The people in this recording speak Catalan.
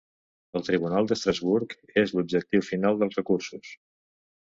El Tribunal d'Estrasburg és l'objectiu final dels recursos